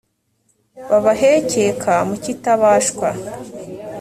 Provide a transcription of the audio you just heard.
babahekeka mukitabashwa.